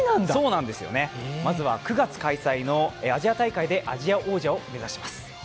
まずは９月開催のアジア大会でアジア王者を目指します。